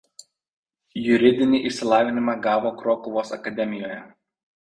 Juridinį išsilavinimą gavo Krokuvos akademijoje.